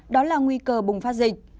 đó là nguy cơ bùng phát dịch